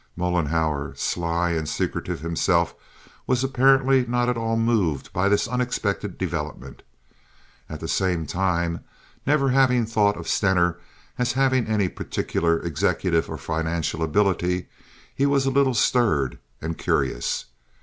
Mollenhauer, sly and secretive himself, was apparently not at all moved by this unexpected development. At the same time, never having thought of Stener as having any particular executive or financial ability, he was a little stirred and curious.